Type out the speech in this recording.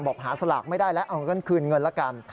บอกหาสลากไม่ได้แล้วเอาเงินคืนเงินละกัน